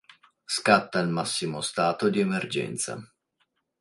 Scatta il massimo stato di emergenza.